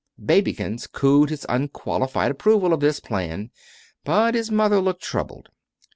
"Babykins" cooed his unqualified approval of this plan; but his mother looked troubled.